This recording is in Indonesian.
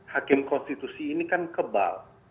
hakim konstitusi ini kan kebal